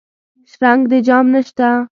شرنګ د جام نشته